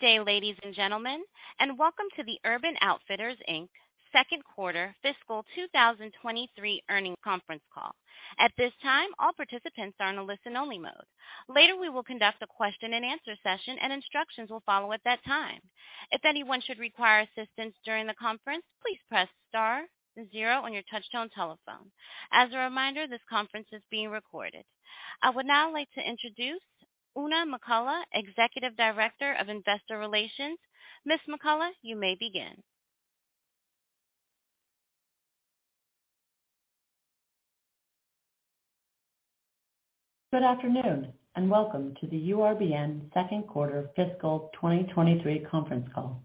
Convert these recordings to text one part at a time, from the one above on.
Good day, ladies and gentlemen, and welcome to the Urban Outfitters, Inc second quarter fiscal 2023 earnings conference call. At this time, all participants are in a listen only mode. Later, we will conduct a question-and-answer session, and instructions will follow at that time. If anyone should require assistance during the conference, please press star zero on your touchtone telephone. As a reminder, this conference is being recorded. I would now like to introduce Oona McCullough, Executive Director of Investor Relations. Ms. McCullough, you may begin. Good afternoon and welcome to the URBN second quarter fiscal 2023 conference call.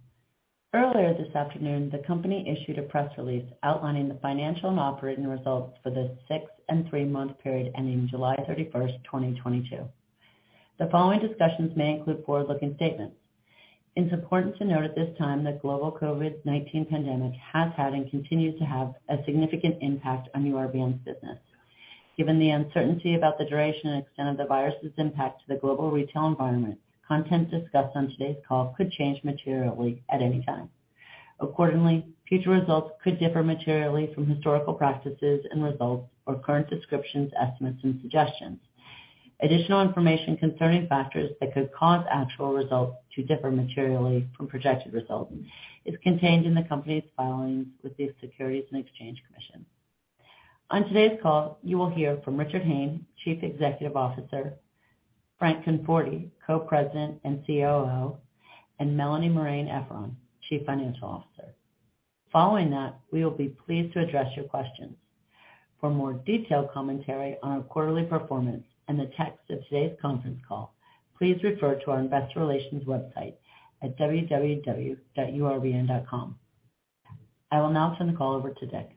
Earlier this afternoon, the company issued a press release outlining the financial and operating results for the six and three-month period ending July 31st, 2022. The following discussions may include forward-looking statements. It's important to note at this time the global COVID-19 pandemic has had and continues to have a significant impact on URBN's business. Given the uncertainty about the duration and extent of the virus's impact to the global retail environment, content discussed on today's call could change materially at any time. Accordingly, future results could differ materially from historical practices and results or current descriptions, estimates, and suggestions. Additional information concerning factors that could cause actual results to differ materially from projected results is contained in the company's filings with the Securities and Exchange Commission. On today's call, you will hear from Richard Hayne, Chief Executive Officer, Frank Conforti, Co-President and COO, and Melanie Marein-Efron, Chief Financial Officer. Following that, we will be pleased to address your questions. For more detailed commentary on our quarterly performance and the text of today's conference call, please refer to our investor relations website at www.urbn.com. I will now turn the call over to Dick.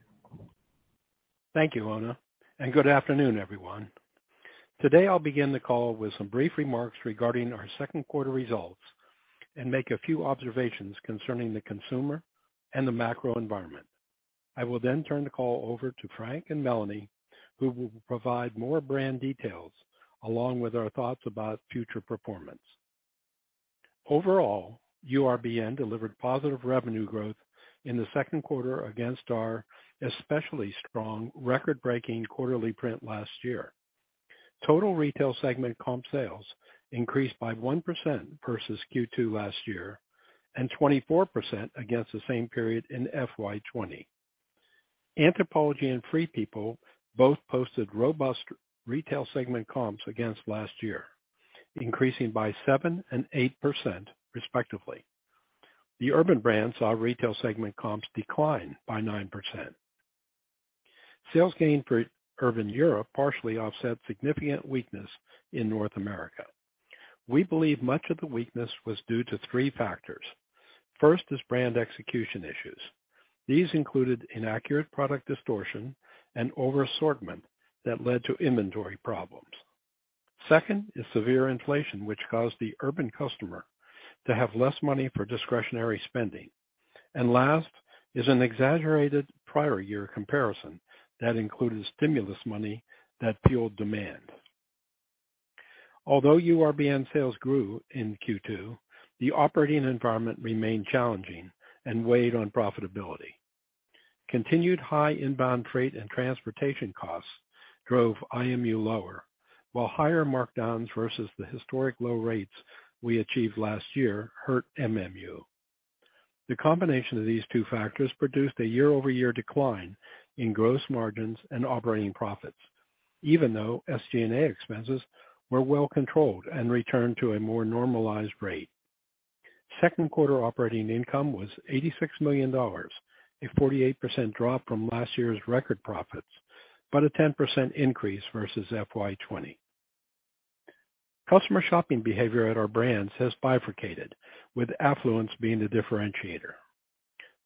Thank you, Oona, and good afternoon, everyone. Today, I'll begin the call with some brief remarks regarding our second quarter results and make a few observations concerning the consumer and the macro environment. I will then turn the call over to Frank and Melanie, who will provide more brand details along with our thoughts about future performance. Overall, URBN delivered positive revenue growth in the second quarter against our especially strong record-breaking quarterly print last year. Total Retail segment comp sales increased by 1% versus Q2 last year and 24% against the same period in FY 2020. Anthropologie and Free People both posted robust Retail segment comps against last year, increasing by 7% and 8%, respectively. The Urban brand saw Retail segment comps decline by 9%. Sales gain for Urban Europe partially offset significant weakness in North America. We believe much of the weakness was due to three factors. First is brand execution issues. These included inaccurate product distortion and over-assortment that led to inventory problems. Second is severe inflation, which caused the Urban customer to have less money for discretionary spending. Last is an exaggerated prior year comparison that included stimulus money that fueled demand. Although URBN sales grew in Q2, the operating environment remained challenging and weighed on profitability. Continued high inbound freight and transportation costs drove IMU lower, while higher markdowns versus the historic low rates we achieved last year hurt MMU. The combination of these two factors produced a year-over-year decline in gross margins and operating profits, even though SG&A expenses were well controlled and returned to a more normalized rate. Second quarter operating income was $86 million, a 48% drop from last year's record profits, but a 10% increase versus FY 2020. Customer shopping behavior at our brands has bifurcated, with affluence being the differentiator.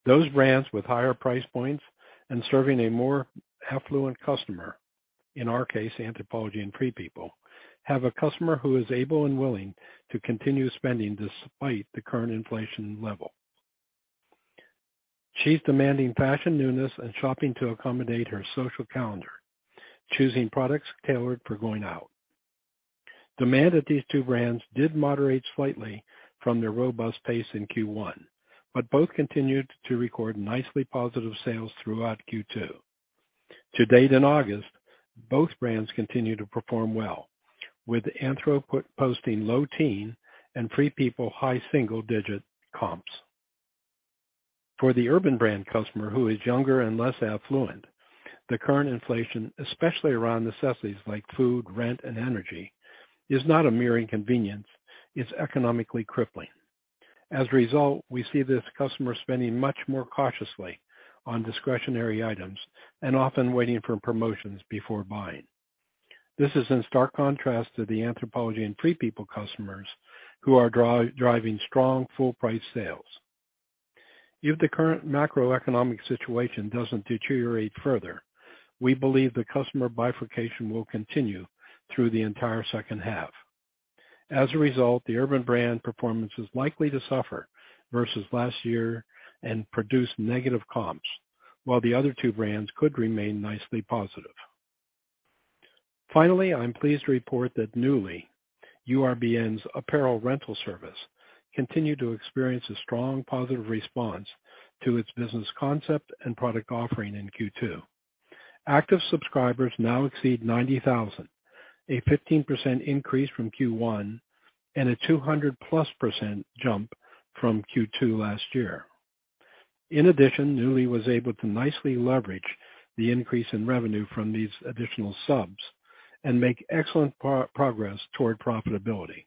Those brands with higher price points and serving a more affluent customer, in our case, Anthropologie and Free People, have a customer who is able and willing to continue spending despite the current inflation level. She's demanding fashion newness and shopping to accommodate her social calendar, choosing products tailored for going out. Demand at these two brands did moderate slightly from their robust pace in Q1, but both continued to record nicely positive sales throughout Q2. To date, in August, both brands continue to perform well, with Anthro posting low teens and Free People high single digits comps. For the Urban brand customer, who is younger and less affluent, the current inflation, especially around necessities like food, rent, and energy, is not a mere inconvenience, it's economically crippling. As a result, we see this customer spending much more cautiously on discretionary items and often waiting for promotions before buying. This is in stark contrast to the Anthropologie and Free People customers, who are driving strong full-price sales. If the current macroeconomic situation doesn't deteriorate further, we believe the customer bifurcation will continue through the entire second half. As a result, the Urban brand performance is likely to suffer versus last year and produce negative comps, while the other two brands could remain nicely positive. Finally, I'm pleased to report that Nuuly, URBN's apparel rental service, continued to experience a strong positive response to its business concept and product offering in Q2. Active subscribers now exceed 90,000, a 15% increase from Q1 and a 200%+ jump from Q2 last year. In addition, Nuuly was able to nicely leverage the increase in revenue from these additional subs and make excellent progress toward profitability.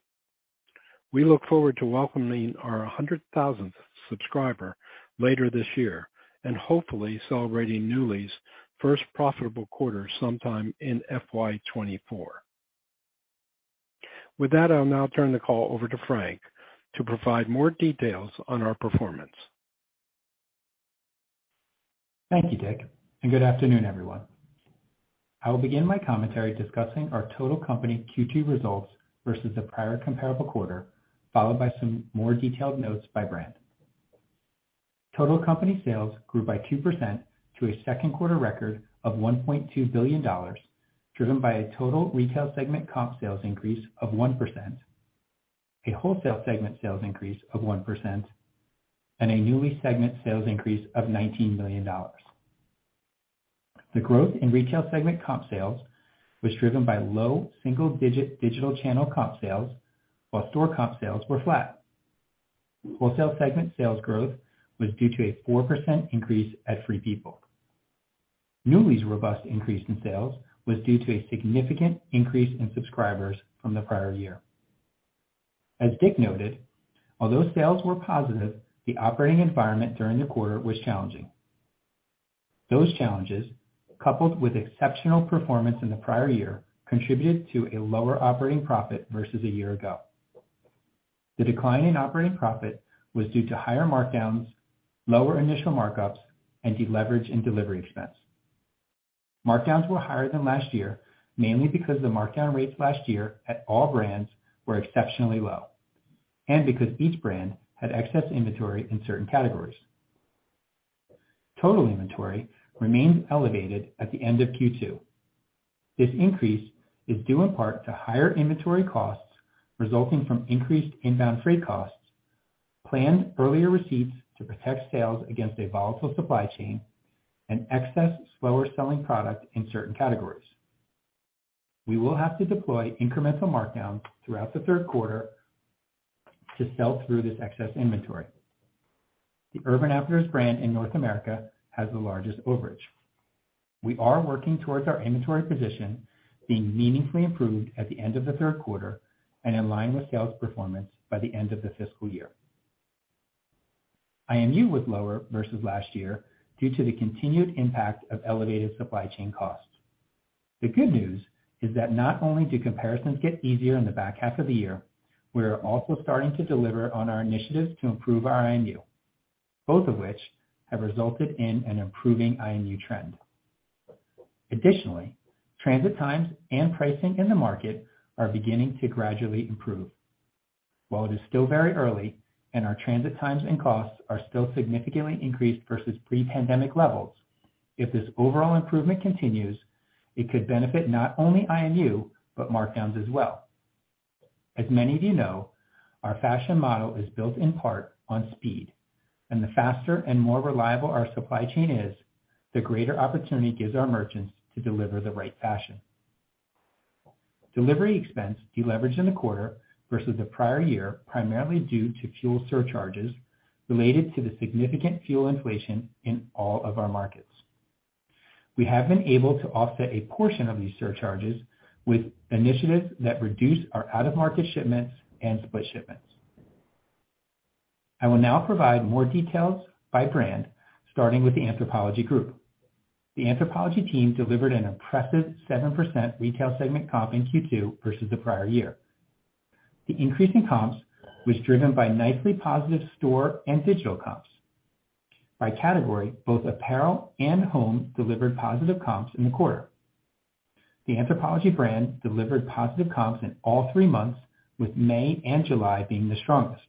We look forward to welcoming our 100,000th subscriber later this year and hopefully celebrating Nuuly's first profitable quarter sometime in FY 2024. With that, I'll now turn the call over to Frank to provide more details on our performance. Thank you, Dick, and good afternoon, everyone. I will begin my commentary discussing our total company Q2 results versus the prior comparable quarter, followed by some more detailed notes by brand. Total company sales grew by 2% to a second-quarter record of $1.2 billion, driven by a total retail segment comp sales increase of 1%, a wholesale segment sales increase of 1%, and a Nuuly segment sales increase of $19 million. The growth in retail segment comp sales was driven by low single-digit digital channel comp sales, while store comp sales were flat. Wholesale segment sales growth was due to a 4% increase at Free People. Nuuly's robust increase in sales was due to a significant increase in subscribers from the prior year. As Dick noted, although sales were positive, the operating environment during the quarter was challenging. Those challenges, coupled with exceptional performance in the prior year, contributed to a lower operating profit versus a year ago. The decline in operating profit was due to higher markdowns, lower initial markups, and deleverage in delivery expense. Markdowns were higher than last year, mainly because the markdown rates last year at all brands were exceptionally low and because each brand had excess inventory in certain categories. Total inventory remained elevated at the end of Q2. This increase is due in part to higher inventory costs resulting from increased inbound freight costs, planned earlier receipts to protect sales against a volatile supply chain, and excess slower-selling product in certain categories. We will have to deploy incremental markdowns throughout the third quarter to sell through this excess inventory. The Urban Outfitters brand in North America has the largest overage. We are working towards our inventory position being meaningfully improved at the end of the third quarter and in line with sales performance by the end of the fiscal year. IMU was lower versus last year due to the continued impact of elevated supply chain costs. The good news is that not only do comparisons get easier in the back half of the year, we are also starting to deliver on our initiatives to improve our IMU, both of which have resulted in an improving IMU trend. Additionally, transit times and pricing in the market are beginning to gradually improve. While it is still very early and our transit times and costs are still significantly increased versus pre-pandemic levels, if this overall improvement continues, it could benefit not only IMU but markdowns as well. As many of you know, our fashion model is built in part on speed, and the faster and more reliable our supply chain is, the greater opportunity it gives our merchants to deliver the right fashion. Delivery expense deleveraged in the quarter versus the prior year, primarily due to fuel surcharges related to the significant fuel inflation in all of our markets. We have been able to offset a portion of these surcharges with initiatives that reduce our out-of-market shipments and split shipments. I will now provide more details by brand, starting with the Anthropologie Group. The Anthropologie team delivered an impressive 7% retail segment comp in Q2 versus the prior year. The increase in comps was driven by nicely positive store and digital comps. By category, both apparel and home delivered positive comps in the quarter. The Anthropologie brand delivered positive comps in all three months, with May and July being the strongest.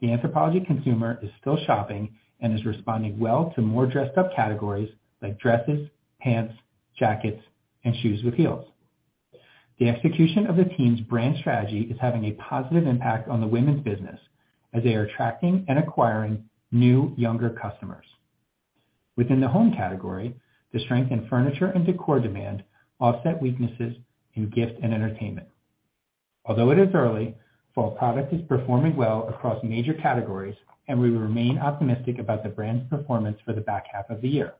The Anthropologie consumer is still shopping and is responding well to more dressed up categories like dresses, pants, jackets, and shoes with heels. The execution of the team's brand strategy is having a positive impact on the women's business as they are attracting and acquiring new younger customers. Within the home category, the strength in furniture and decor demand offset weaknesses in gift and entertainment. Although it is early, fall product is performing well across major categories, and we remain optimistic about the brand's performance for the back half of the year.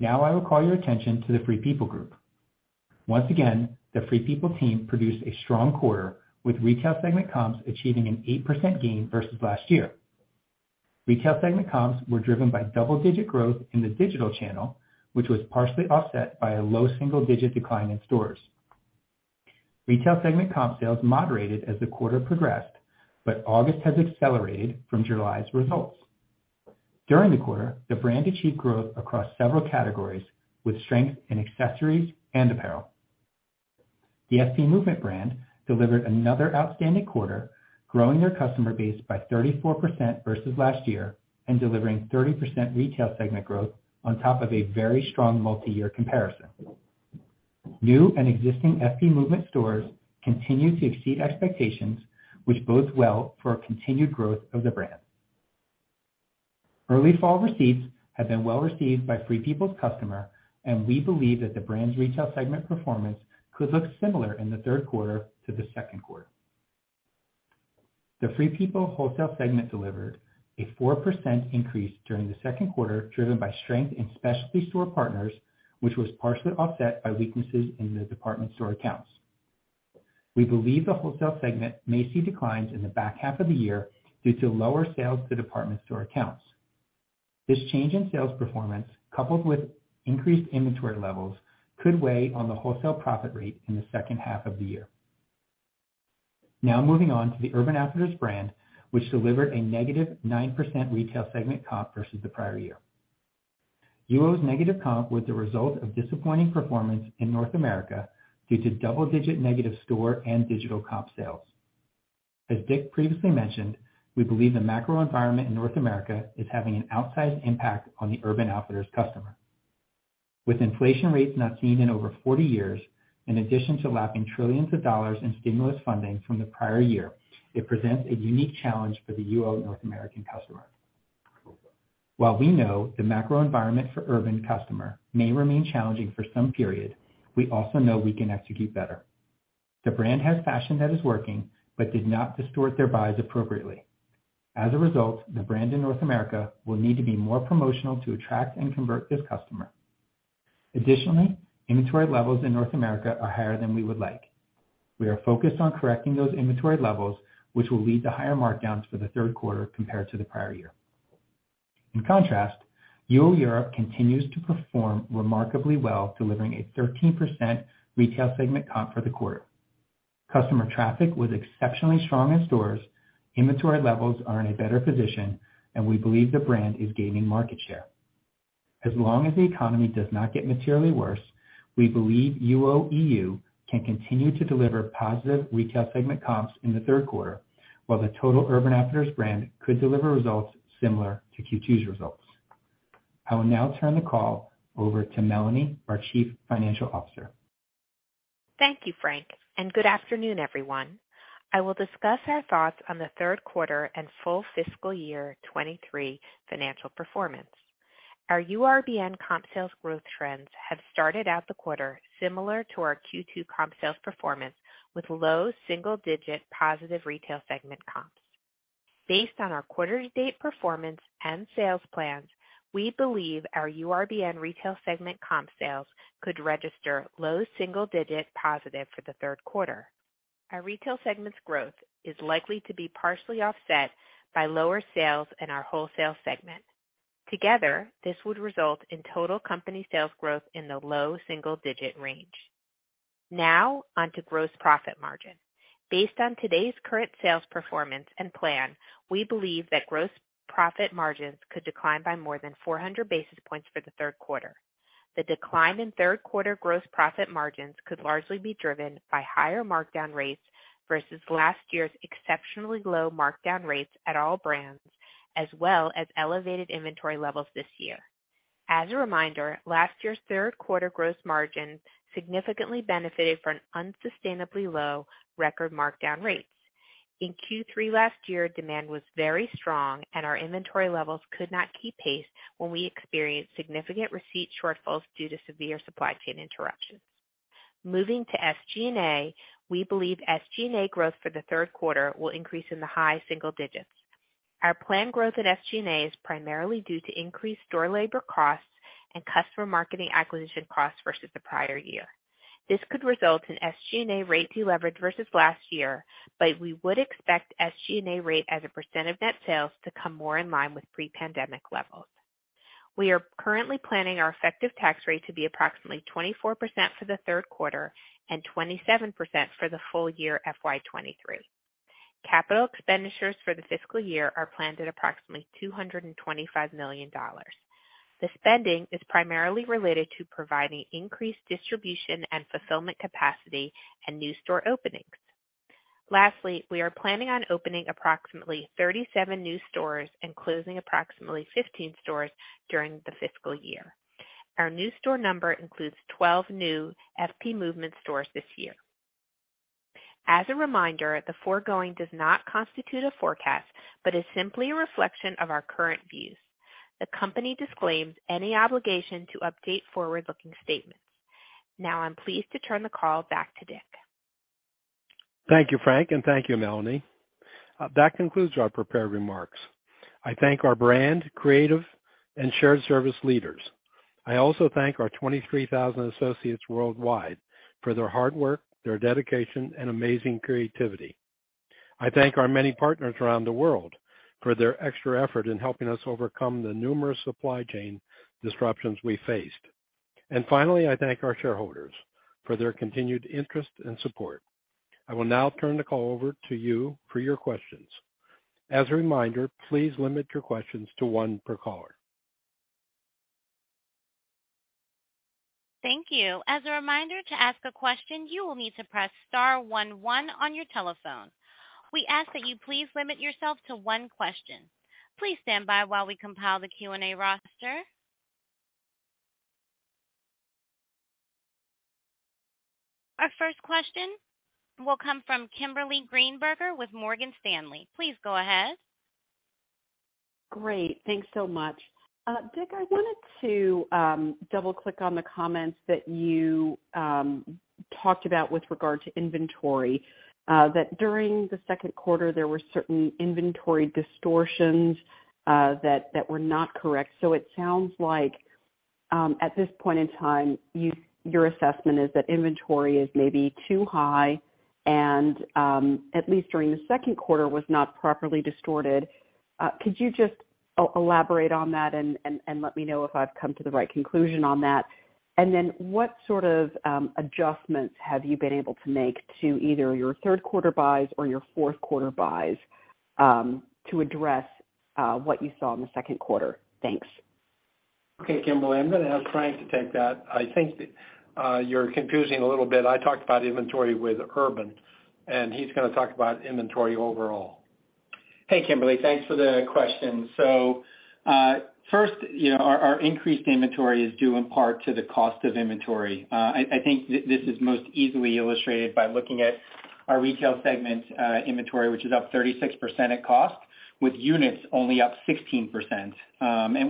Now I will call your attention to the Free People Group. Once again, the Free People team produced a strong quarter, with retail segment comps achieving an 8% gain versus last year. Retail segment comps were driven by double-digit growth in the digital channel, which was partially offset by a low single-digit decline in stores. Retail segment comp sales moderated as the quarter progressed, but August has accelerated from July's results. During the quarter, the brand achieved growth across several categories with strength in accessories and apparel. The FP Movement brand delivered another outstanding quarter, growing their customer base by 34% versus last year and delivering 30% retail segment growth on top of a very strong multi-year comparison. New and existing FP Movement stores continue to exceed expectations, which bodes well for a continued growth of the brand. Early fall receipts have been well received by Free People's customer, and we believe that the brand's retail segment performance could look similar in the third quarter to the second quarter. The Free People wholesale segment delivered a 4% increase during the second quarter, driven by strength in specialty store partners, which was partially offset by weaknesses in the department store accounts. We believe the wholesale segment may see declines in the back half of the year due to lower sales to department store accounts. This change in sales performance, coupled with increased inventory levels, could weigh on the wholesale profit rate in the second half of the year. Now moving on to the Urban Outfitters brand, which delivered a -9% retail segment comp versus the prior year. UO's negative comp was the result of disappointing performance in North America due to double-digit negative store and digital comp sales. As Dick previously mentioned, we believe the macro environment in North America is having an outsized impact on the Urban Outfitters customer. With inflation rates not seen in over 40 years, in addition to lapping trillions of dollars in stimulus funding from the prior year, it presents a unique challenge for the UO North American customer. While we know the macro environment for Urban customer may remain challenging for some period, we also know we can execute better. The brand has fashion that is working but did not distort their buys appropriately. As a result, the brand in North America will need to be more promotional to attract and convert this customer. Additionally, inventory levels in North America are higher than we would like. We are focused on correcting those inventory levels, which will lead to higher markdowns for the third quarter compared to the prior year. In contrast, UO Europe continues to perform remarkably well, delivering a 13% retail segment comp for the quarter. Customer traffic was exceptionally strong in stores, inventory levels are in a better position, and we believe the brand is gaining market share. As long as the economy does not get materially worse, we believe UOEU can continue to deliver positive retail segment comps in the third quarter, while the total Urban Outfitters brand could deliver results similar to Q2's results. I will now turn the call over to Melanie, our Chief Financial Officer. Thank you, Frank, and good afternoon, everyone. I will discuss our thoughts on the third quarter and full fiscal year 2023 financial performance. Our URBN comp sales growth trends have started out the quarter similar to our Q2 comp sales performance with low single-digit positive retail segment comps. Based on our quarter to date performance and sales plans, we believe our URBN retail segment comp sales could register low single-digit positive for the third quarter. Our retail segment's growth is likely to be partially offset by lower sales in our wholesale segment. Together, this would result in total company sales growth in the low single-digit range. Now on to gross profit margin. Based on today's current sales performance and plan, we believe that gross profit margins could decline by more than 400 basis points for the third quarter. The decline in third quarter gross profit margins could largely be driven by higher markdown rates versus last year's exceptionally low markdown rates at all brands, as well as elevated inventory levels this year. As a reminder, last year's third quarter gross margin significantly benefited from unsustainably low record markdown rates. In Q3 last year, demand was very strong and our inventory levels could not keep pace when we experienced significant receipt shortfalls due to severe supply chain interruptions. Moving to SG&A, we believe SG&A growth for the third quarter will increase in the high single digits. Our planned growth at SG&A is primarily due to increased store labor costs and customer marketing acquisition costs versus the prior year. This could result in SG&A rate deleverage versus last year, but we would expect SG&A rate as a percent of net sales to come more in line with pre-pandemic levels. We are currently planning our effective tax rate to be approximately 24% for the third quarter and 27% for the full year FY 2023. Capital expenditures for the fiscal year are planned at approximately $225 million. The spending is primarily related to providing increased distribution and fulfillment capacity and new store openings. Lastly, we are planning on opening approximately 37 new stores and closing approximately 15 stores during the fiscal year. Our new store number includes 12 new FP Movement stores this year. As a reminder, the foregoing does not constitute a forecast, but is simply a reflection of our current views. The company disclaims any obligation to update forward-looking statements. Now I'm pleased to turn the call back to Dick. Thank you, Frank, and thank you, Melanie. That concludes our prepared remarks. I thank our brand, creative, and shared service leaders. I also thank our 23,000 associates worldwide for their hard work, their dedication, and amazing creativity. I thank our many partners around the world for their extra effort in helping us overcome the numerous supply chain disruptions we faced. Finally, I thank our shareholders for their continued interest and support. I will now turn the call over to you for your questions. As a reminder, please limit your questions to one per caller. Thank you. As a reminder, to ask a question, you will need to press star one one on your telephone. We ask that you please limit yourself to one question. Please stand by while we compile the Q&A roster. Our first question will come from Kimberly Greenberger with Morgan Stanley. Please go ahead. Great. Thanks so much. Richard, I wanted to double-click on the comments that you talked about with regard to inventory, that during the second quarter there were certain inventory distortions that were not correct. It sounds like at this point in time your assessment is that inventory is maybe too high and at least during the second quarter was not properly distorted. Could you just elaborate on that and let me know if I've come to the right conclusion on that? What sort of adjustments have you been able to make to either your third quarter buys or your fourth quarter buys to address what you saw in the second quarter? Thanks. Okay, Kimberly, I'm gonna ask Frank to take that. I think that you're confusing a little bit. I talked about inventory with Urban, and he's gonna talk about inventory overall. Hey, Kimberly. Thanks for the question. So, first, you know, our increased inventory is due in part to the cost of inventory. I think this is most easily illustrated by looking at our retail segment inventory, which is up 36% at cost, with units only up 16%.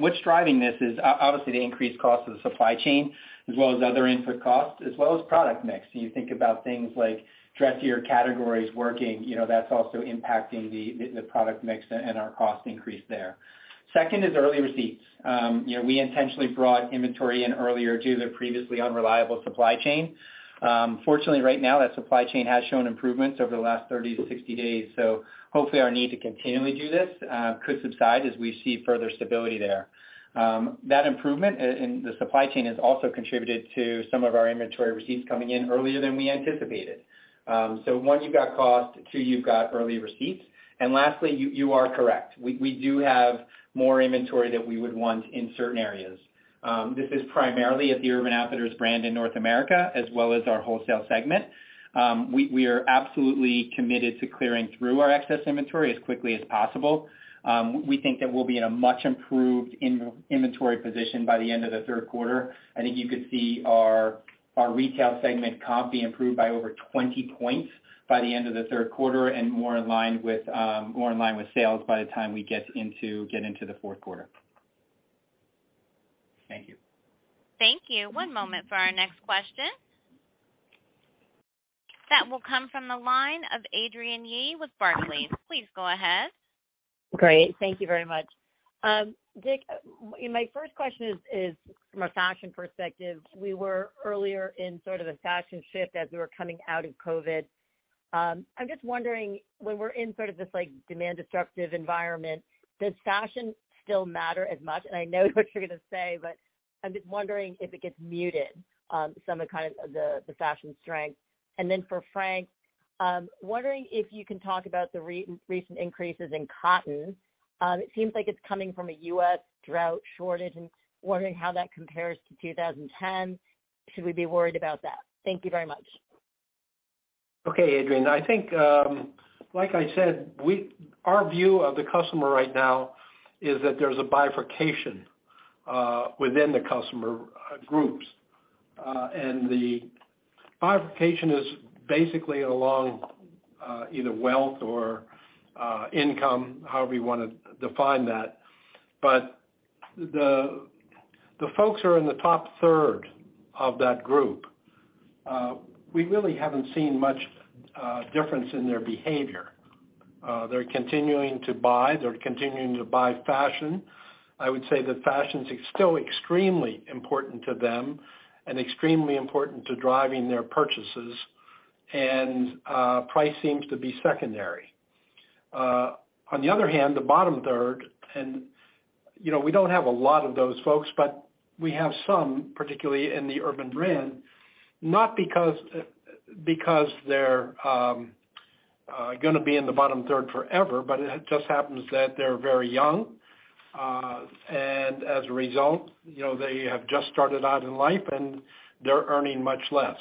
What's driving this is obviously the increased cost of the supply chain as well as other input costs, as well as product mix. You think about things like dressier categories working, you know, that's also impacting the product mix and our cost increase there. Second is early receipts. You know, we intentionally brought inventory in earlier due to the previously unreliable supply chain. Fortunately, right now that supply chain has shown improvements over the last 30 days-60 days, so hopefully our need to continually do this could subside as we see further stability there. That improvement in the supply chain has also contributed to some of our inventory receipts coming in earlier than we anticipated. One, you've got cost, two, you've got early receipts. Lastly, you are correct. We do have more inventory than we would want in certain areas. This is primarily at the Urban Outfitters brand in North America as well as our wholesale segment. We are absolutely committed to clearing through our excess inventory as quickly as possible. We think that we'll be in a much improved inventory position by the end of the third quarter. I think you could see our retail segment comp be improved by over 20% by the end of the third quarter and more in line with sales by the time we get into the fourth quarter. Thank you. Thank you. One moment for our next question. That will come from the line of Adrienne Yih with Barclays. Please go ahead. Great. Thank you very much. Dick, my first question is from a fashion perspective. We were earlier in sort of a fashion shift as we were coming out of COVID. I'm just wondering, when we're in sort of this, like, demand destructive environment, does fashion still matter as much? I know what you're gonna say, but I'm just wondering if it gets muted, some of the kind of the fashion strength. Then for Frank, wondering if you can talk about the recent increases in cotton. It seems like it's coming from a U.S. drought shortage and wondering how that compares to 2010. Should we be worried about that? Thank you very much. Okay, Adrienne. I think, like I said, our view of the customer right now is that there's a bifurcation within the customer groups. The bifurcation is basically along either wealth or income, however you wanna define that. The folks who are in the top third of that group, we really haven't seen much difference in their behavior. They're continuing to buy. They're continuing to buy fashion. I would say that fashion's still extremely important to them and extremely important to driving their purchases, and price seems to be secondary. On the other hand, the bottom third and, you know, we don't have a lot of those folks, but we have some, particularly in the Urban brand, not because they're gonna be in the bottom third forever, but it just happens that they're very young. As a result, you know, they have just started out in life and they're earning much less.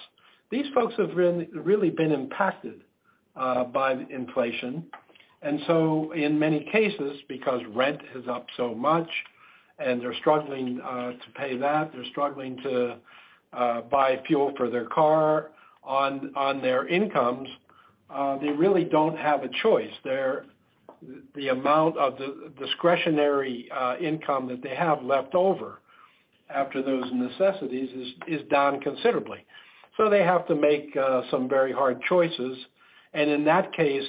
These folks have really been impacted by inflation. In many cases, because rent is up so much and they're struggling to pay that, they're struggling to buy fuel for their car on their incomes, they really don't have a choice. The amount of the discretionary income that they have left over after those necessities is down considerably. They have to make some very hard choices. In that case,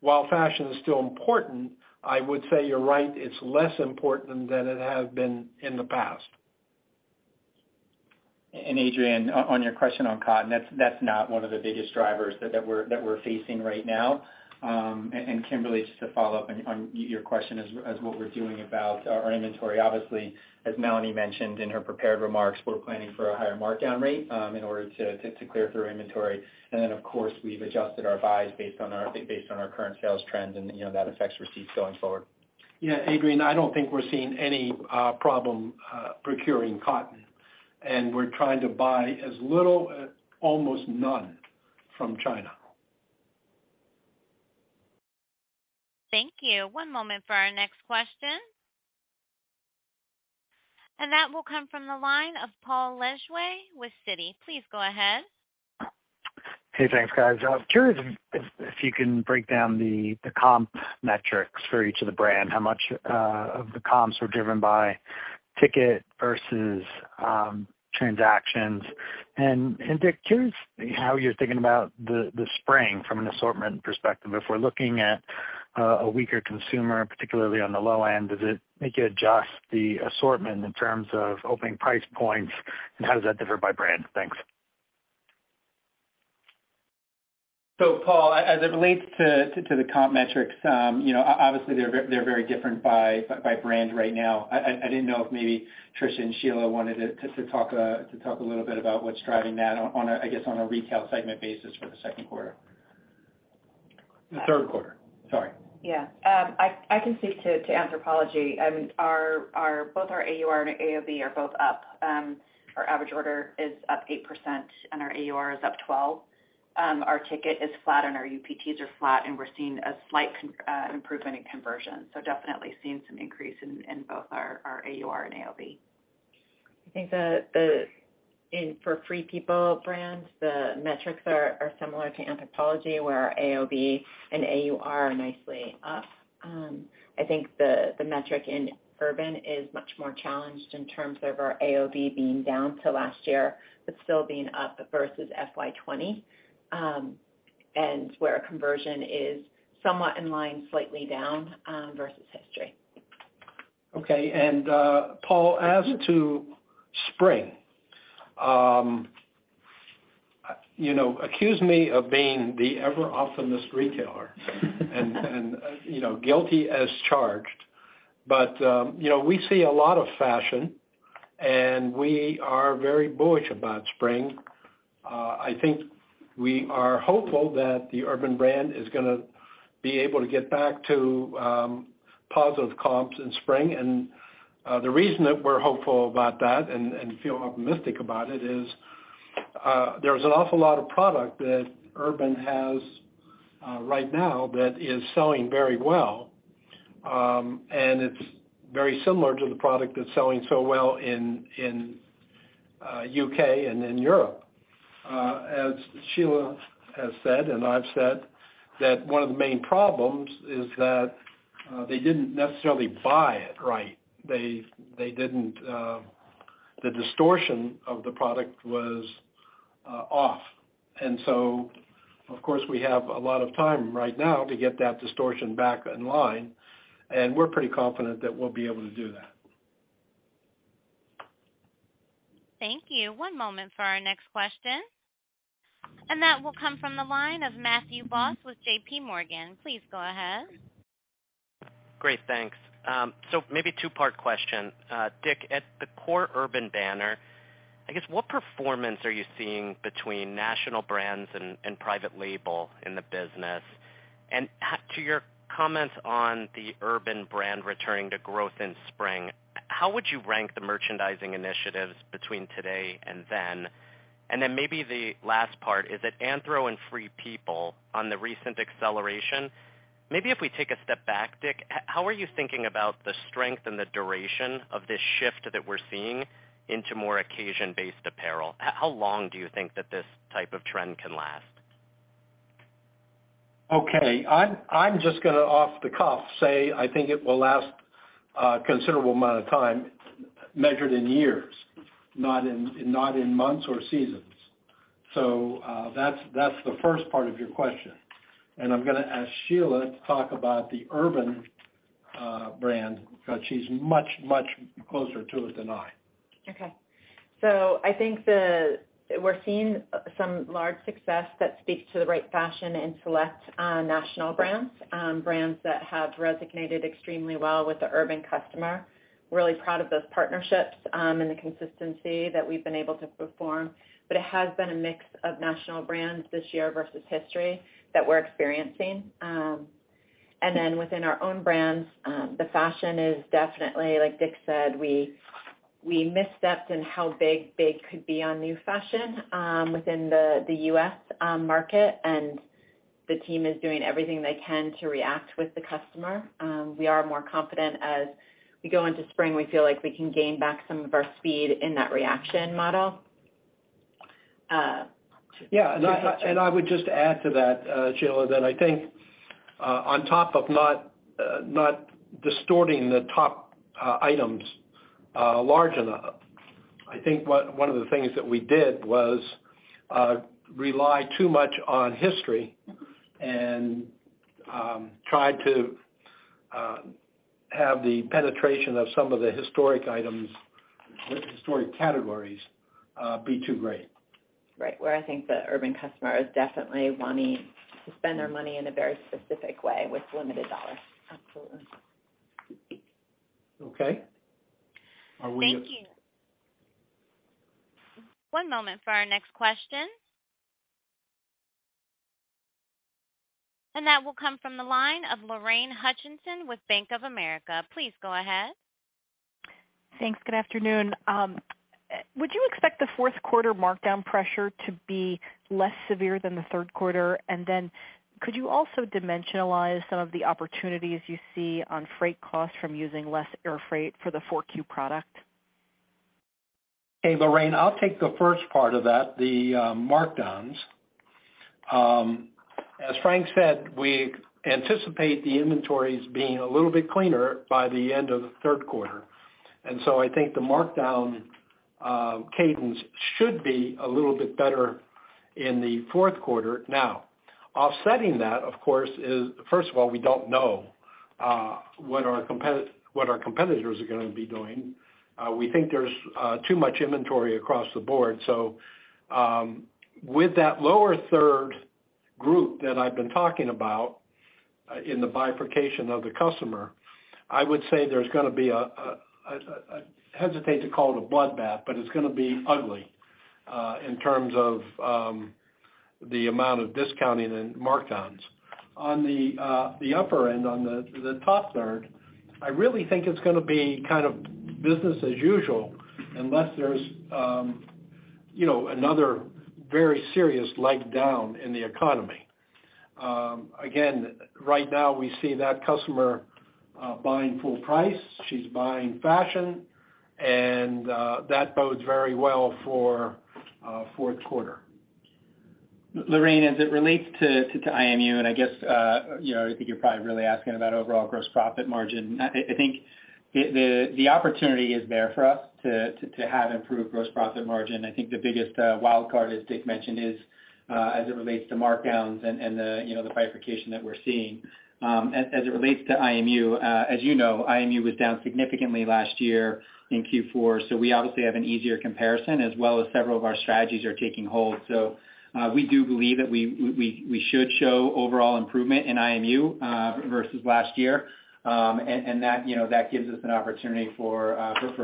while fashion is still important, I would say you're right, it's less important than it has been in the past. Adrienne, on your question on cotton, that's not one of the biggest drivers that we're facing right now. Kimberly, just to follow up on your question as what we're doing about our inventory. Obviously, as Melanie mentioned in her prepared remarks, we're planning for a higher markdown rate, in order to clear through our inventory. Then, of course, we've adjusted our buys based on our current sales trends and, you know, that affects receipts going forward. Adrienne, I don't think we're seeing any problem procuring cotton. We're trying to buy as little, almost none from China. Thank you. One moment for our next question. That will come from the line of Paul Lejuez with Citi. Please go ahead. Hey, thanks, guys. I was curious if you can break down the comp metrics for each of the brand. How much of the comps were driven by ticket versus transactions. Dick, curious how you're thinking about the spring from an assortment perspective. If we're looking at a weaker consumer, particularly on the low end, does it make you adjust the assortment in terms of opening price points? How does that differ by brand? Thanks. Paul, as it relates to the comp metrics, you know, obviously they're very different by brand right now. I didn't know if maybe Tricia and Sheila wanted to talk a little bit about what's driving that on a, I guess, on a retail segment basis for the second quarter. The third quarter. Sorry. I can speak to Anthropologie. Both our AUR and AOV are both up. Our average order is up 8% and our AUR is up 12%. Our ticket is flat and our UPT are flat, and we're seeing a slight improvement in conversion. Definitely seeing some increase in both our AUR and AOV. I think for Free People brands, the metrics are similar to Anthropologie, where our AOV and AUR are nicely up. I think the metric in Urban is much more challenged in terms of our AOV being down to last year, but still being up versus FY 2020, where our conversion is somewhat in line, slightly down versus history. Okay. Paul, as to spring, you know, excuse me of being the ever optimist retailer and, you know, guilty as charged. We see a lot of fashion, and we are very bullish about spring. I think we are hopeful that the Urban brand is gonna be able to get back to positive comps in spring. The reason that we're hopeful about that and feel optimistic about it is, there's an awful lot of product that Urban has right now that is selling very well. And it's very similar to the product that's selling so well in U.K. and in Europe. As Sheila has said, and I've said, that one of the main problems is that they didn't necessarily buy it right. They didn't. The distortion of the product was off. Of course, we have a lot of time right now to get that distortion back in line, and we're pretty confident that we'll be able to do that. Thank you. One moment for our next question. That will come from the line of Matthew Boss with JPMorgan. Please go ahead. Great, thanks. Maybe two-part question. Dick, at the core Urban banner, I guess, what performance are you seeing between national brands and private label in the business? To your comments on the Urban brand returning to growth in spring, how would you rank the merchandising initiatives between today and then? Maybe the last part is at Anthro and Free People on the recent acceleration. If we take a step back, Dick, how are you thinking about the strength and the duration of this shift that we're seeing into more occasion-based apparel? How long do you think that this type of trend can last? Okay. I'm just gonna off the cuff say I think it will last a considerable amount of time measured in years, not in months or seasons. That's the first part of your question. I'm gonna ask Sheila to talk about the Urban brand because she's much closer to it than I. Okay. I think we're seeing some large success that speaks to the right fashion in select national brands that have resonated extremely well with the Urban customer. Really proud of those partnerships and the consistency that we've been able to perform. But it has been a mix of national brands this year versus history that we're experiencing. Then within our own brands, the fashion is definitely, like Dick said, we mis-stepped in how big they could be on new fashion within The U.S. market, and the team is doing everything they can to react with the customer. We are more confident as we go into spring. We feel like we can gain back some of our speed in that reaction model. I would just add to that, Sheila, that I think on top of not discounting the top items large enough, I think one of the things that we did was rely too much on history and try to have the penetration of some of the historical items, historical categories be too great. Right. Where I think the Urban customer is definitely wanting to spend their money in a very specific way with limited dollars. Absolutely. Okay. Thank you. One moment for our next question. That will come from the line of Lorraine Hutchinson with Bank of America. Please go ahead. Thanks. Good afternoon. Would you expect the fourth quarter markdown pressure to be less severe than the third quarter? Could you also dimensionalize some of the opportunities you see on freight costs from using less air freight for the 4Q product? Hey, Lorraine, I'll take the first part of that, the markdowns. As Frank said, we anticipate the inventories being a little bit cleaner by the end of the third quarter. I think the markdown cadence should be a little bit better in the fourth quarter. Now, offsetting that, of course, is, first of all, we don't know what our competitors are gonna be doing. We think there's too much inventory across the board. With that lower third group that I've been talking about, in the bifurcation of the customer, I would say there's gonna be a, I hesitate to call it a bloodbath, but it's gonna be ugly in terms of the amount of discounting and markdowns. On the upper end, on the top third, I really think it's gonna be kind of business as usual unless there's, you know, another very serious leg down in the economy. Again, right now, we see that customer buying full price. She's buying fashion, and that bodes very well for fourth quarter. Lorraine, as it relates to IMU, and I guess, you know, I think you're probably really asking about overall gross profit margin. I think the opportunity is there for us to have improved gross profit margin. I think the biggest wildcard, as Dick mentioned, is as it relates to markdowns and the bifurcation that we're seeing. As it relates to IMU, as you know, IMU was down significantly last year in Q4, so we obviously have an easier comparison, as well as several of our strategies are taking hold. We do believe that we should show overall improvement in IMU versus last year. That, you know, that gives us an opportunity for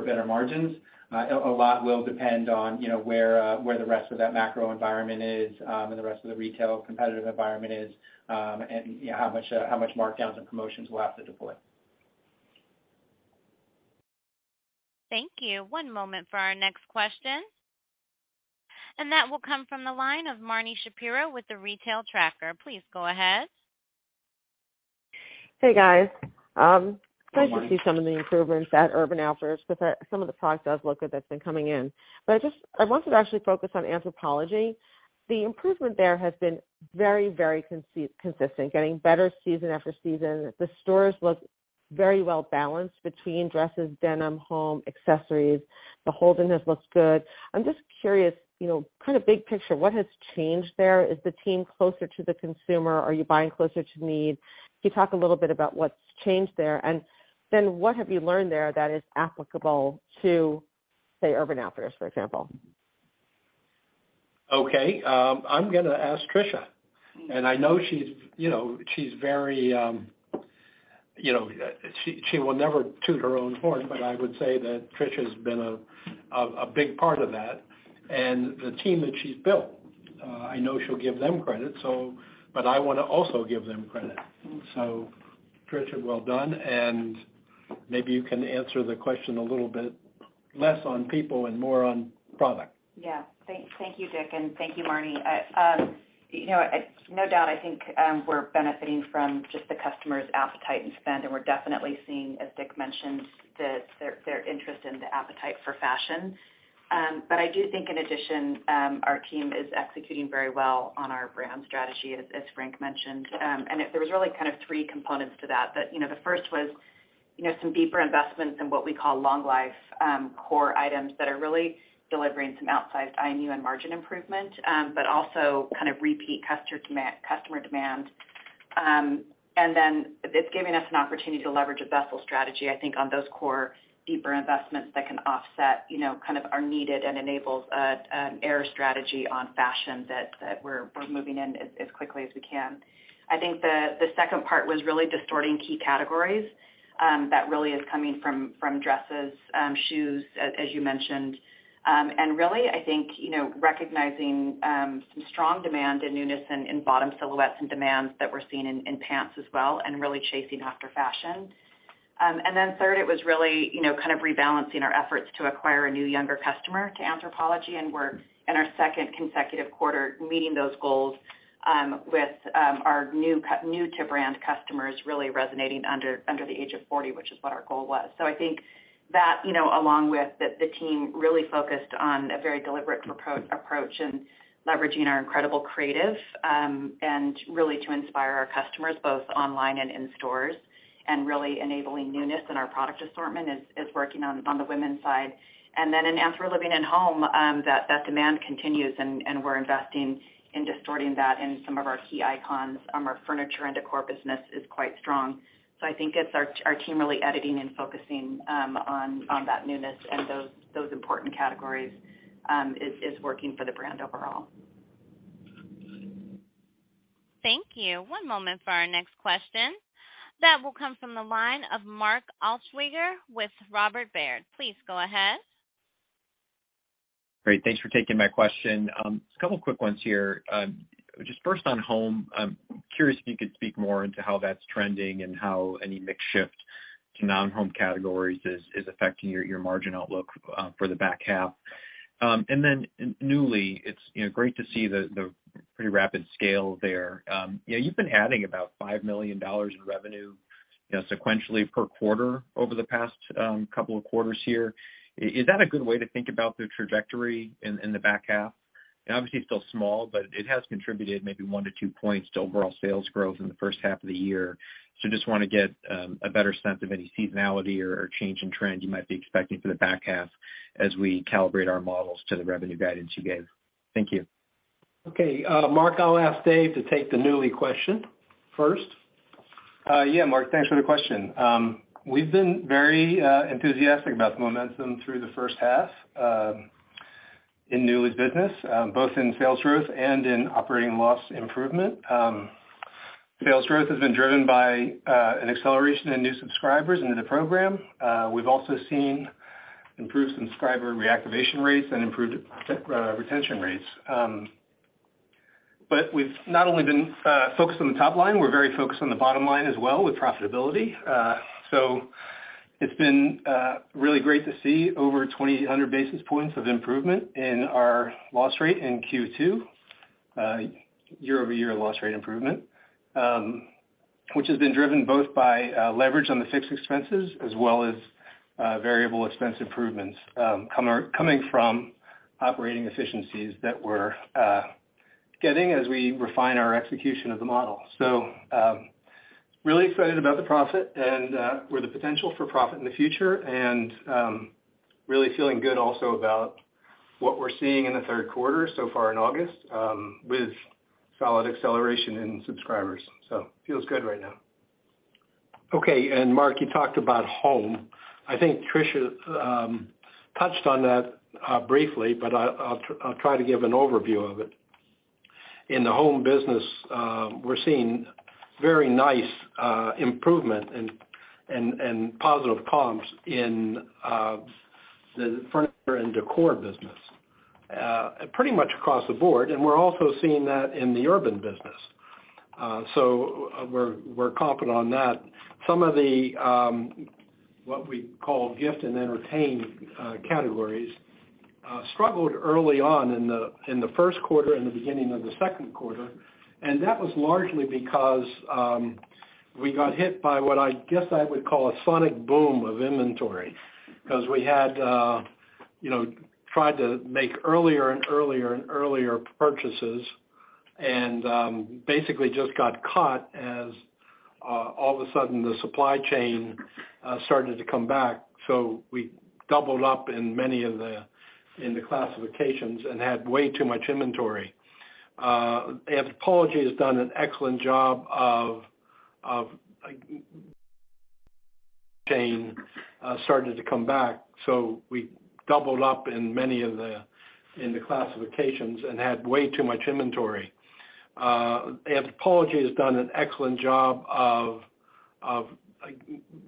better margins. A lot will depend on, you know, where the rest of that macro environment is, and the rest of the retail competitive environment is, and, you know, how much markdowns and promotions we'll have to deploy. Thank you. One moment for our next question. That will come from the line of Marni Shapiro with The Retail Tracker. Please go ahead. Hey, guys. Good morning. Pleased to see some of the improvements at Urban Outfitters because some of the product does look good that's been coming in. I wanted to actually focus on Anthropologie. The improvement there has been very, very consistent, getting better season after season. The stores look very well-balanced between dresses, denim, home, accessories. The whole thing just looks good. I'm just curious, you know, kind of big picture, what has changed there? Is the team closer to the consumer? Are you buying closer to need? Can you talk a little bit about what's changed there? What have you learned there that is applicable to, say, Urban Outfitters, for example? Okay. I'm gonna ask Tricia. I know she's very, you know. She will never toot her own horn, but I would say that Tricia has been a big part of that. The team that she's built, I know she'll give them credit. I wanna also give them credit. Tricia, well done. Maybe you can answer the question a little bit less on people and more on product. Yeah. Thank you, Dick, and thank you, Marni. You know, no doubt, I think we're benefiting from just the customer's appetite and spend, and we're definitely seeing, as Dick mentioned, their interest and the appetite for fashion. But I do think in addition, our team is executing very well on our brand strategy, as Frank mentioned. There was really kind of three components to that. You know, the first was, you know, some deeper investments in what we call long life core items that are really delivering some outsized IMU and margin improvement, but also kind of repeat customer demand. It's giving us an opportunity to leverage a basic strategy, I think, on those core deeper investments that can offset, you know, kind of are needed and enables an agile strategy on fashion that we're moving in as quickly as we can. I think the second part was really driving key categories that really is coming from dresses, shoes, as you mentioned. Really, I think, you know, recognizing some strong demand and newness in bottoms, silhouettes and demand that we're seeing in pants as well and really chasing after fashion. Third, it was really, you know, kind of rebalancing our efforts to acquire a new younger customer to Anthropologie. We're in our second consecutive quarter meeting those goals, with our new to brand customers really resonating under the age of forty, which is what our goal was. I think that, you know, along with the team really focused on a very deliberate approach in leveraging our incredible creative, and really to inspire our customers, both online and in stores, and really enabling newness in our product assortment is working on the women's side. Then in Anthro Living and Home, that demand continues, and we're investing in distorting that in some of our key icons. Our furniture and decor business is quite strong. I think it's our team really editing and focusing on that newness and those important categories is working for the brand overall. Thank you. One moment for our next question. That will come from the line of Mark Altschwager with Robert W. Baird. Please go ahead. Great. Thanks for taking my question. Just a couple quick ones here. Just first on home, I'm curious if you could speak more into how that's trending and how any mix shift to non-home categories is affecting your margin outlook for the back half. In Nuuly, it's you know, great to see the pretty rapid scale there. You know, you've been adding about $5 million in revenue sequentially per quarter over the past couple of quarters here. Is that a good way to think about the trajectory in the back half? Obviously it's still small, but it has contributed maybe one to two points to overall sales growth in the first half of the year. Just wanna get a better sense of any seasonality or change in trend you might be expecting for the back half as we calibrate our models to the revenue guidance you gave. Thank you. Okay. Mark, I'll ask Dave to take the Nuuly question first. Yeah, Mark, thanks for the question. We've been very enthusiastic about the momentum through the first half in Nuuly's business both in sales growth and in operating loss improvement. Sales growth has been driven by an acceleration in new subscribers into the program. We've also seen improved subscriber reactivation rates and improved retention rates. But we've not only been focused on the top line, we're very focused on the bottom line as well with profitability. It's been really great to see over 2,000 basis points of improvement in our loss rate in Q2, year-over-year loss rate improvement, which has been driven both by leverage on the fixed expenses as well as variable expense improvements, coming from operating efficiencies that we're getting as we refine our execution of the model. Really excited about the profit and or the potential for profit in the future and really feeling good also about what we're seeing in the third quarter so far in August, with solid acceleration in subscribers. Feels good right now. Okay. Mark, you talked about home. I think Tricia touched on that briefly, but I'll try to give an overview of it. In the home business, we're seeing very nice improvement and positive comps in the furniture and decor business pretty much across the board, and we're also seeing that in the Urban business. We're confident on that. Some of the what we call gift and entertain categories struggled early on in the first quarter and the beginning of the second quarter, and that was largely because we got hit by what I guess I would call a sonic boom of inventory. 'Cause we had, you know, tried to make earlier and earlier and earlier purchases and, basically just got caught as, all of a sudden the supply chain started to come back. We doubled up in many of the classifications and had way too much inventory. Anthropologie has done an excellent job of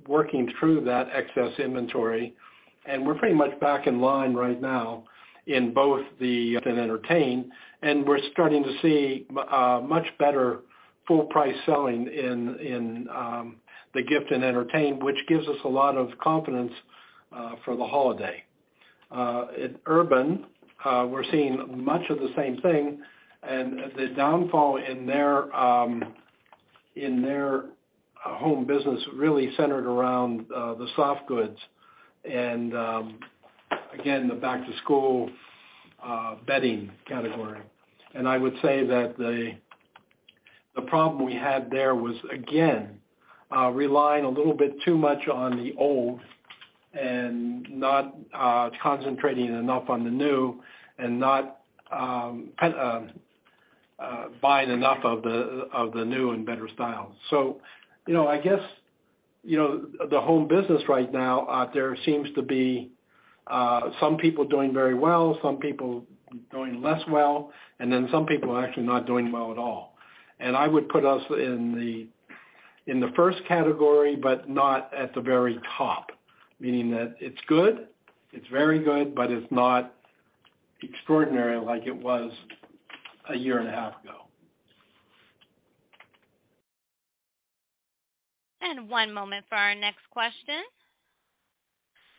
working through that excess inventory, and we're pretty much back in line right now in both the gift and Terrain, and we're starting to see much better full price selling in the gift and Terrain, which gives us a lot of confidence for the holiday. In Urban, we're seeing much of the same thing and the downfall in their home business really centered around the soft goods and, again, the back-to-school bedding category. I would say that the problem we had there was again relying a little bit too much on the old and not concentrating enough on the new and not buying enough of the new and better styles. You know, I guess, you know, the home business right now, there seems to be some people doing very well, some people doing less well, and then some people actually not doing well at all. I would put us in the first category, but not at the very top. Meaning that it's good, it's very good, but it's not extraordinary like it was a year and a half ago. One moment for our next question.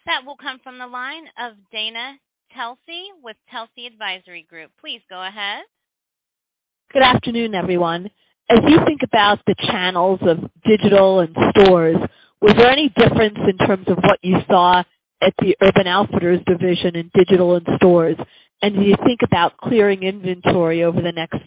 That will come from the line of Dana Telsey with Telsey Advisory Group. Please go ahead. Good afternoon, everyone. As you think about the channels of digital and stores, was there any difference in terms of what you saw at the Urban Outfitters division in digital and stores? As you think about clearing inventory over the next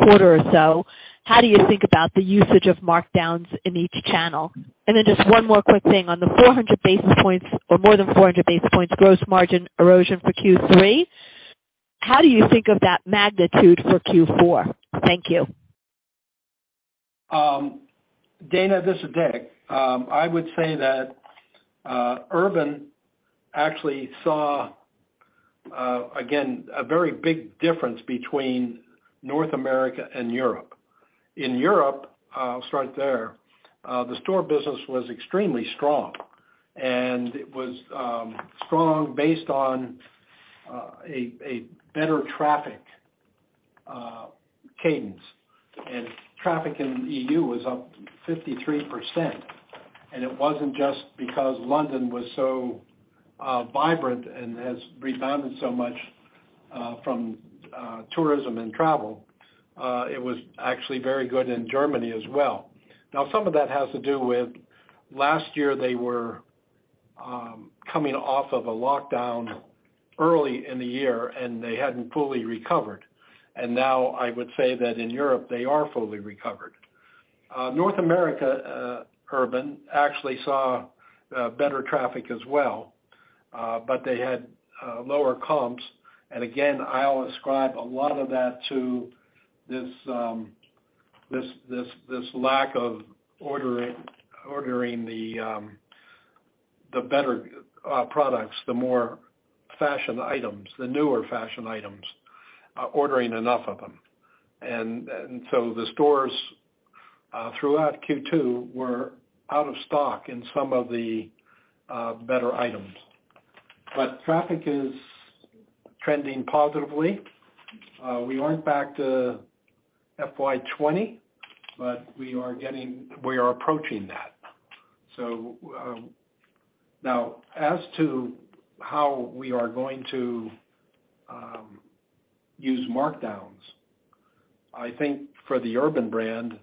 quarter or so, how do you think about the usage of markdowns in each channel? Just one more quick thing. On the 400 basis points or more than 400 basis points gross margin erosion for Q3, how do you think of that magnitude for Q4? Thank you. Dana, this is Dick. I would say that Urban actually saw again a very big difference between North America and Europe. In Europe, I'll start there, the store business was extremely strong, and it was strong based on a better traffic cadence. Traffic in EU was up 53%, and it wasn't just because London was so vibrant and has rebounded so much from tourism and travel. It was actually very good in Germany as well. Now, some of that has to do with last year they were coming off of a lockdown early in the year, and they hadn't fully recovered. Now I would say that in Europe, they are fully recovered. North America, Urban actually saw better traffic as well, but they had lower comps. Again, I'll ascribe a lot of that to this lack of ordering the better products, the more fashion items, the newer fashion items, ordering enough of them. The stores throughout Q2 were out of stock in some of the better items. Traffic is trending positively. We weren't back to FY 2020, but we are approaching that. Now as to how we are going to use markdowns, I think for the Urban brand,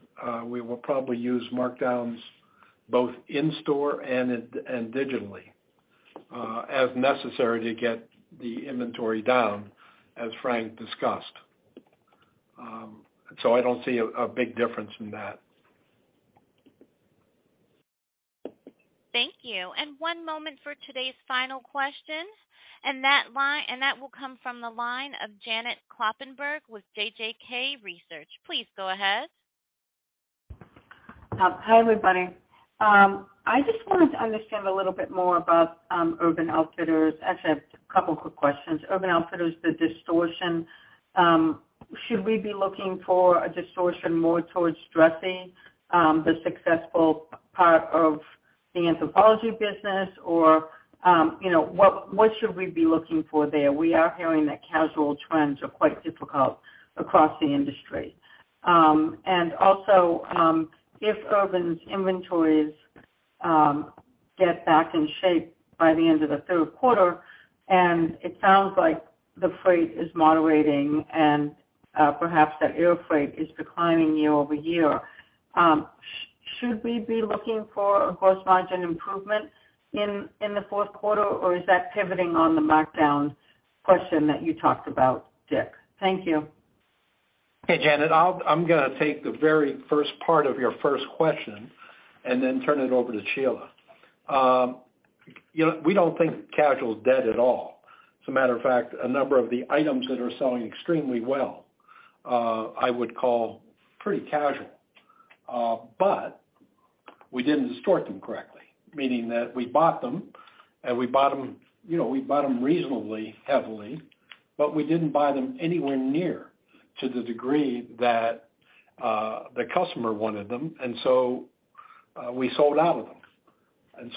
we will probably use markdowns both in store and digitally, as necessary to get the inventory down, as Frank discussed. I don't see a big difference in that. Thank you. One moment for today's final question. That will come from the line of Janet Kloppenburg with JJK Research. Please go ahead. Hi, everybody. I just wanted to understand a little bit more about Urban Outfitters. Actually, I have a couple quick questions. Urban Outfitters, the destination, should we be looking for a destination more towards dressing, the successful part of the Anthropologie business? Or, you know, what should we be looking for there? We are hearing that casual trends are quite difficult across the industry. Also, if Urban's inventories get back in shape by the end of the third quarter, and it sounds like the freight is moderating and perhaps that air freight is declining year-over-year, should we be looking for a gross margin improvement in the fourth quarter, or is that pivoting on the markdown question that you talked about, Dick? Thank you. Hey, Janet, I'm gonna take the very first part of your first question and then turn it over to Sheila. You know, we don't think casual is dead at all. As a matter of fact, a number of the items that are selling extremely well, I would call pretty casual. We didn't assort them correctly, meaning that you know, we bought them reasonably heavily, but we didn't buy them anywhere near to the degree that the customer wanted them. We sold out of them.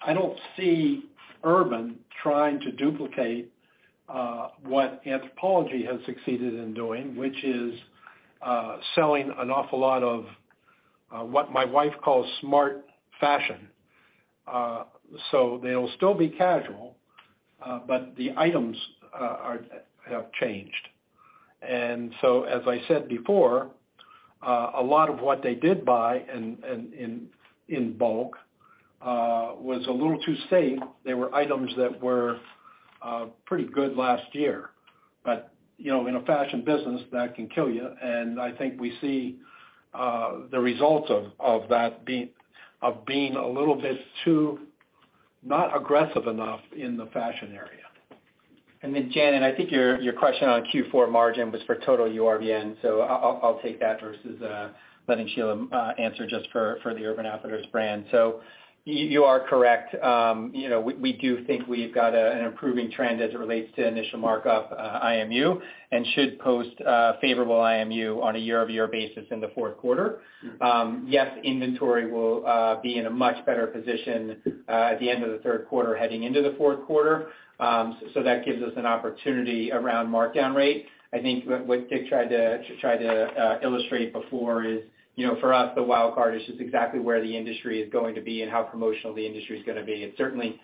I don't see Urban trying to duplicate what Anthropologie has succeeded in doing, which is selling an awful lot of what my wife calls smart fashion. They'll still be casual, but the items have changed. As I said before, a lot of what they did buy in bulk was a little too safe. They were items that were pretty good last year. You know, in a fashion business, that can kill you. I think we see the results of that being a little bit too not aggressive enough in the fashion area. Janet, I think your question on Q4 margin was for total URBN, so I'll take that versus letting Sheila answer just for the Urban Outfitters brand. You are correct. You know, we do think we've got an improving trend as it relates to initial markup, IMU, and should post favorable IMU on a year-over-year basis in the fourth quarter. Yes, inventory will be in a much better position at the end of the third quarter heading into the fourth quarter. That gives us an opportunity around markdown rate. I think what Dick tried to illustrate before is, you know, for us, the wild card is just exactly where the industry is going to be and how promotional the industry is gonna be. It certainly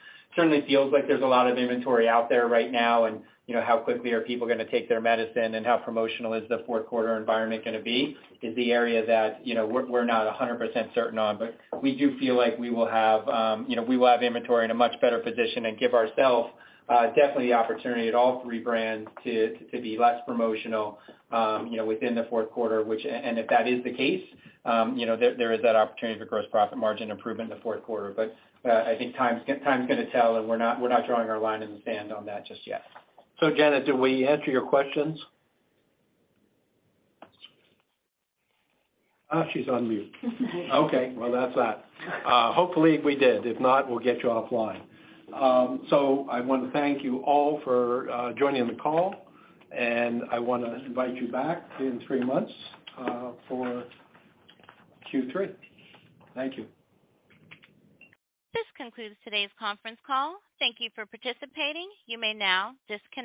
feels like there's a lot of inventory out there right now and, you know, how quickly are people gonna take their medicine and how promotional is the fourth quarter environment gonna be, is the area that, you know, we're not 100% certain on. We do feel like we will have, you know, we will have inventory in a much better position and give ourself definitely the opportunity at all three brands to be less promotional, you know, within the fourth quarter, which. If that is the case, you know, there is that opportunity for gross profit margin improvement in the fourth quarter. I think time's gonna tell, and we're not drawing our line in the sand on that just yet. Janet, did we answer your questions? She's on mute. Okay. Well, that's that. Hopefully we did. If not, we'll get you offline. I want to thank you all for joining the call, and I wanna invite you back in three months for Q3. Thank you. This concludes today's conference call. Thank you for participating. You may now disconnect.